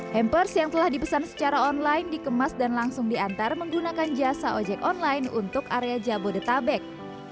hampers yang telah dipesan secara online dikemas dan langsung diantar menggunakan jasa ojek online untuk area jabodetabek